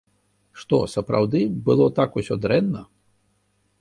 Што, сапраўды, было так усё дрэнна?